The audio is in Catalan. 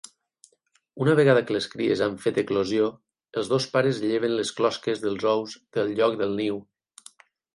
Una vegada que les cries han fet eclosió, els dos pares lleven les closques dels ous del lloc del niu.